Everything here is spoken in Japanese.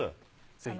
ぜひ。